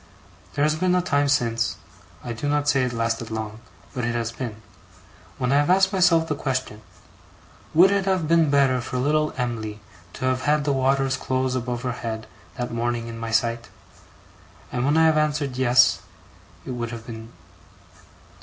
There has been a time since I do not say it lasted long, but it has been when I have asked myself the question, would it have been better for little Em'ly to have had the waters close above her head that morning in my sight; and when I have answered Yes, it would have been.